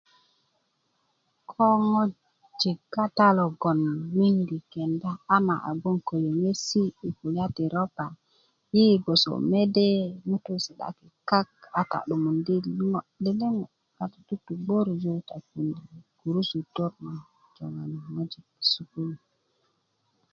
ko ŋojik kata logoloŋ miidi kenda ama a gboŋ ko yöŋesi' yi kulya ti ropa yi gboso mede ŋutu' si'daki' kak a ta 'domondi' ŋo lele ŋo a ti tu'tubgörju a ti puji' gurusutö na joŋani ŋojik sukulu